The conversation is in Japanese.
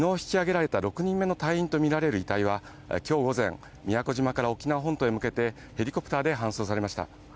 一方、昨日、引き揚げられた６人目の隊員とみられる遺体はきょう午前、宮古島から沖縄本島へ向けてヘリコプターで搬送されました。